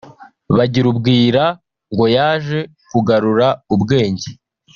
Bagirubwira ngo yaje kugarura ubwenge